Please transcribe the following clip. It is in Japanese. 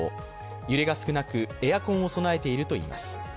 揺れが少なく、エアコンを備えているといいます。